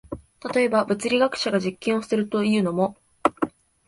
例えば、物理学者が実験をするというのも、